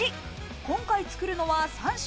今回作るのは３品。